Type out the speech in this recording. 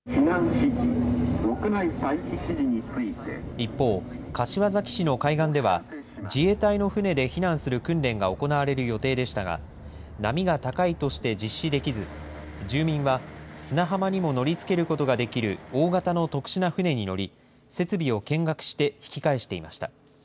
一方、柏崎市の海岸では、自衛隊の船で避難する訓練が行われる予定でしたが、波が高いとして実施できず、住民は砂浜にも乗りつけることができる大型の特殊な船に乗り、設備を見学して引き返していました。